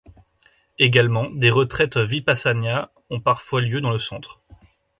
Également, des retraites Vipassanā ont parfois lieu dans le centre.